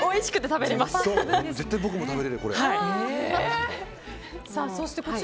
絶対僕も食べれる、これ。